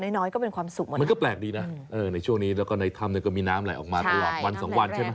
มันก็แปลกดีนะในช่วงนี้แล้วก็ในทำมันก็มีน้ำไหลออกมาประหลาดวันสองวันใช่ไหม